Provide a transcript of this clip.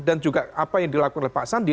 dan juga apa yang dilakukan pak sandi